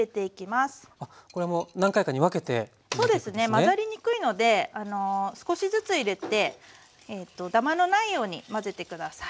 混ざりにくいので少しずつ入れてダマのないように混ぜて下さい。